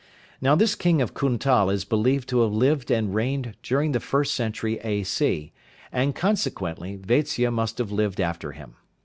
Now this king of Kuntal is believed to have lived and reigned during the first century A.C., and consequently Vatsya must have lived after him.